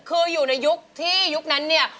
คืออยู่ในยุคนั้นเนี่ย